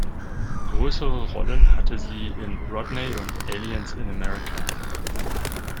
Größere Rollen hatte sie in "Rodney" und "Aliens in America".